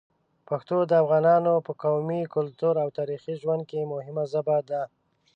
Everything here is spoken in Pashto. پښتو د افغانانو په قومي، کلتوري او تاریخي ژوند کې مهمه ژبه ده.